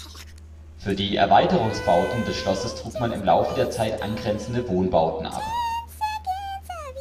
Für die Erweiterungsbauten des Schlosses trug man im Laufe der Zeit angrenzende Wohnbauten ab.